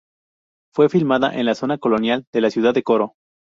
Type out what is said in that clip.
Fue filmada en la zona colonial de la ciudad de Coro.